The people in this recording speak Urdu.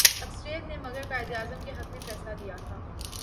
اکثریت نے مگر قائد اعظم کے حق میں فیصلہ دیا تھا۔